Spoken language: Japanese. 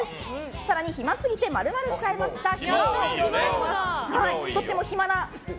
更に暇すぎて○○しちゃいました暇王。